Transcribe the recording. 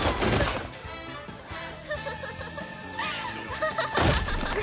ハハハハハ！